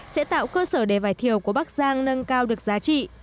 sẽ tạo cơ sở để vải thiều của bắc giang nâng cao được giá trị